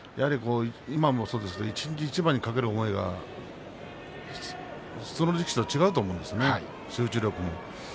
今も一日一番に懸ける思いが普通の力士とは違うと思うんですね、集中力も。